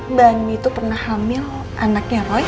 mbak ani itu pernah hamil anaknya roy